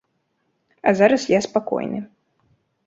А зараз я спакойны.